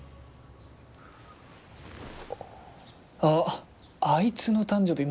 あっあいつの誕生日